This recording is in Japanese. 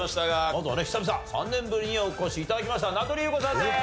まずはね久々３年ぶりにお越し頂きました名取裕子さんです！